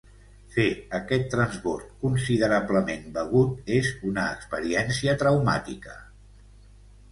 Fer aquest transbord considerablement begut és una experiència traumàtica.